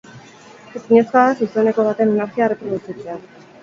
Ezinezkoa da zuzeneko baten energia erreproduzitzea.